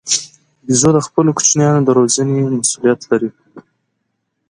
بیزو د خپلو کوچنیانو د روزنې مسوولیت لري.